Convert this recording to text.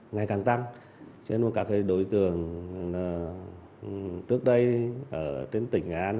ngày càng tăng cho nên các đối tượng trước đây ở trên tỉnh nghệ an